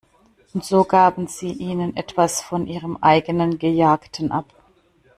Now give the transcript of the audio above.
Und so gaben sie ihnen etwas von ihrem eigenen Gejagten ab.